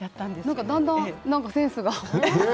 なんかだんだんセンスが。